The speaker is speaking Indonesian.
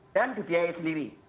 dan dibiayai sendiri